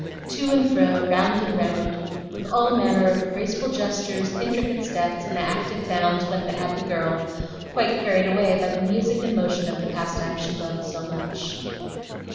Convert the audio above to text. To and fro, round and round, with all manner of graceful gestures, intricate steps, and active bounds went the happy girl, quite carried away by the music and motion of the pastime she loved so much.